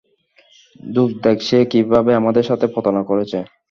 দোস্ত, দেখ সে কীভাবে আমাদের সাথে প্রতারণা করেছে?